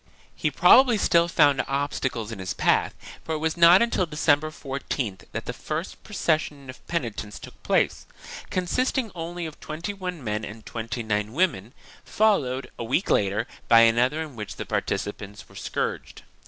2 He probably still found obstacles in his path, for it was not until December 14th that the first procession of penitents took place, consisting only of twenty one men and twenty nine women, fol lowed, a week later, by another in which the participants were scourged.